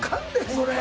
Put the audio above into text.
それ！